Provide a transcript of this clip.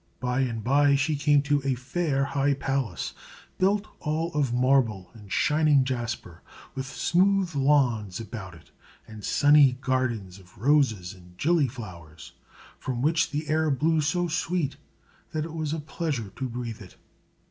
By and by she came to a fair high palace, built all of marble and shining jasper, with smooth lawns about it, and sunny gardens of roses and gillyflowers, from which the air blew so sweet that it was a pleasure to breathe it.